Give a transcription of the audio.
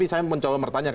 saya mau mencoba bertanya